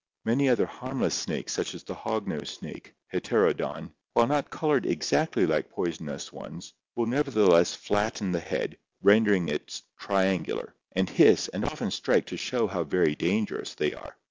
Many other harmless snakes such as the hog nose snake (Heterodon), while not colored exactly like poisonous ones, will nevertheless flatten the head, rendering 244 ORGANIC EVOLUTION it triangular, and hiss and often strike to show how very dangerous they are.